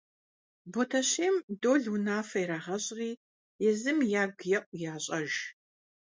Ботэщейм Дол унафэ ирагъэщӀри езым ягу еӀу ящӀэж.